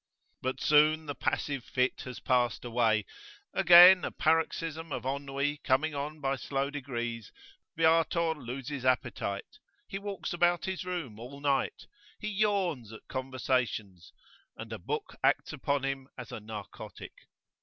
But soon the passive fit has passed away; again a paroxysm of ennui coming on by slow degrees, Viator loses appetite, he walks about his room all night, he yawns at conversations, and a book acts upon him as a narcotic.